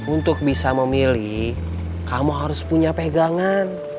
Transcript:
untuk bisa memilih kamu harus punya pegangan